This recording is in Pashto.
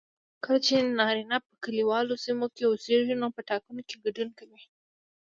کله چې نارینه په کليوالو سیمو کې اوسیږي نو په ټاکنو کې ګډون کوي